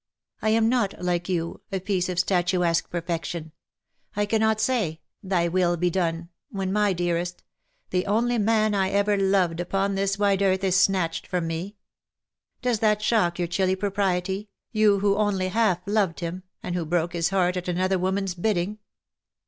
I am not like you, a piece of statuesque perfection. I cannot say ' Thy will be done/ when my dearest — the only man T ever loved upon this wide earth is snatched from me. Does that shock your chilly propriety, yon who only half loved him, and who broke his heart at another woman^s bidding